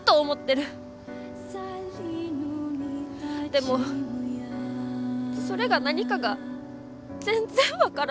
でもそれが何かが全然分からない。